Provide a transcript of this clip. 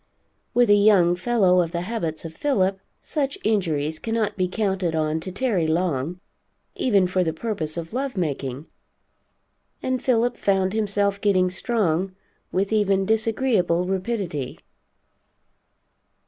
With a young fellow of the habits of Philip, such injuries cannot be counted on to tarry long, even for the purpose of love making, and Philip found himself getting strong with even disagreeable rapidity.